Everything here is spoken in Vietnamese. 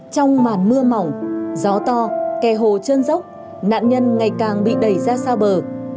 trong màn mưa mỏng gió to kè hồ chơn dốc nạn nhân ngày càng bị đẩy ra xa bờ